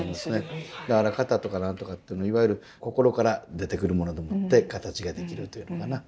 だから型とか何とかっていうのいわゆる心から出てくるものでもって形が出来るというのかな。